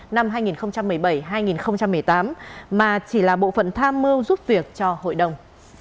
năm hai nghìn một mươi bảy hai nghìn một mươi tám mà chỉ là bộ phận tham mưu giúp việc cho hội đồng